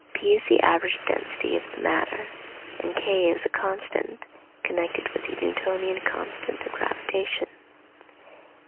10^27; p is the average density of the matter and k is a constant connected with the Newtonian constant of gravitation.